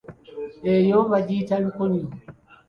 Eyo bagiyita lukunyu.